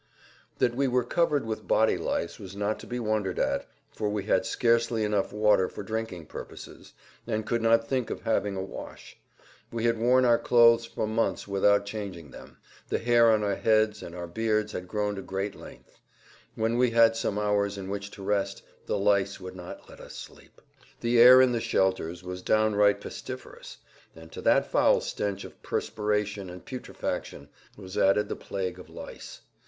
That we were covered with body lice was not to be wondered at, for we had scarcely enough water for drinking purposes, and could not think of having a wash. We had worn our clothes for months without[Pg 158] changing them; the hair on our heads and our beards had grown to great length. When we had some hours in which to rest, the lice would not let us sleep. The air in the shelters was downright pestiferous, and to that foul stench of perspiration and putrefaction was added the plague of lice.